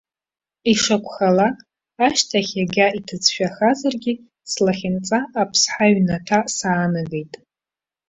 Ишакәхалак, ашьҭахь иага иҭыӡшәахазаргьы, слахьынҵа аԥсҳа иҩнаҭа саанагеит.